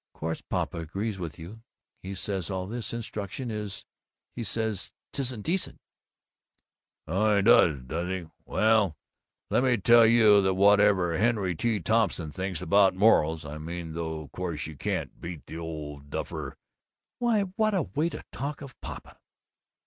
"Course Papa agrees with you. He says all this Instruction is He says 'tisn't decent." "Oh, he does, does he! Well, let me tell you that whatever Henry T. Thompson thinks about morals, I mean, though course you can't beat the old duffer " "Why, what a way to talk of Papa!"